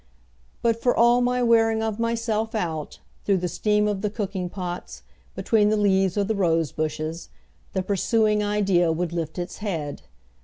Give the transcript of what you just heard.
But for all my wearing of myself out, through the steam of the cooking pots, between the leaves of the rose bushes, the pursuing idea would lift its head.